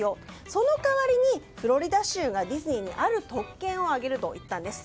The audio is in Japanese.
その代わりにフロリダ州がディズニーにある特権をあげるといったんです。